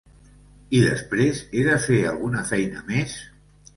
I després, he de fer alguna feina més?